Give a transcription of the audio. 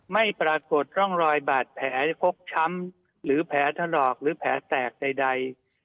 ไม่ปรากฏร่องรอยบาดแผลฟกช้ำหรือแผลถลอกหรือแผลแตกใด